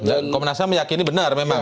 dan komnas ham meyakini benar memang